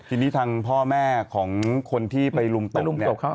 ทีนี้ทางพ่อแม่ของคนที่ไปลุมตบเนี่ย